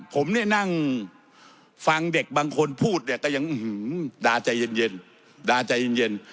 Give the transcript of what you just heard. ผมเนี่ยนั่งฟังเด็กบางคนพูดเนี่ยก็ยังด่าใจเย็นด่าใจเย็น